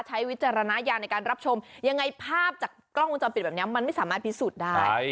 วิจารณญาณในการรับชมยังไงภาพจากกล้องวงจรปิดแบบนี้มันไม่สามารถพิสูจน์ได้